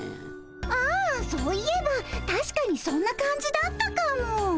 ああそういえばたしかにそんな感じだったかも。